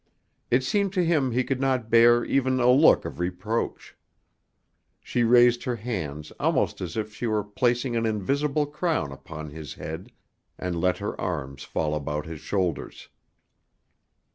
It seemed to him he could not bear even a look of reproach. She raised her hands almost as if she were placing an invisible crown upon his head, and let her arms fall about his shoulders.